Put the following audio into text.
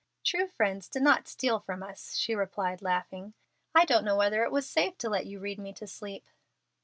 "True friends do not steal from us," she replied, laughing. "I don't know whether it was safe to let you read me to sleep?"